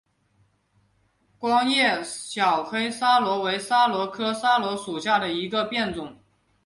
光叶小黑桫椤为桫椤科桫椤属下的一个变种。